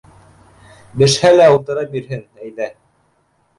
— Бешһә лә ултыра бирһен, әйҙә.